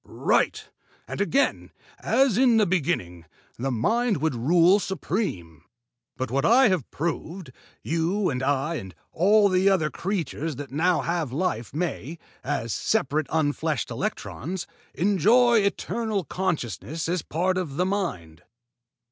"Right! And again, as in the beginning, the Mind would rule supreme. By what I have proved, you and I and all other creatures that now have life may, as separate unfleshed electrons, enjoy eternal consciousness as a part of the Mind."